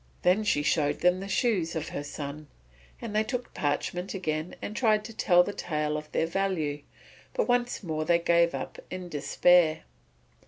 Then she showed them the shoes of her son; and they took parchment again and tried to tell the tale of their value, but once more they gave up in despair.